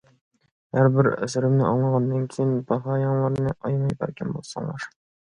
ھەربىر ئەسىرىمنى ئاڭلىغاندىن كېيىن باھايىڭلارنى ئايىماي بەرگەن بولساڭلار!